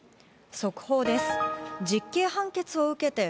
速報です。